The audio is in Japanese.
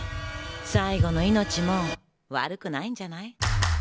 最後の命も悪くないんじゃない？